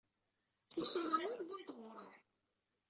Tisura-inu ur llint ɣur-i.